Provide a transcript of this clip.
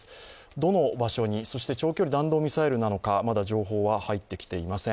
どの場所に、そして長距離弾道ミサイルなのかまだ情報は入ってきていません。